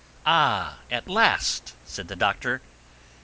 "Ah—at last!" said the Doctor.